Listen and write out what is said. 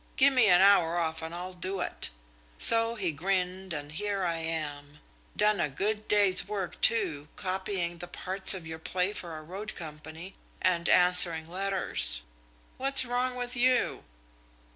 'Give me an hour off, and I'll do it.' So he grinned, and here I am. Done a good day's work, too, copying the parts of your play for a road company, and answering letters. What's wrong with you?"